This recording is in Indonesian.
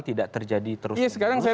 tidak terjadi terus sekarang saya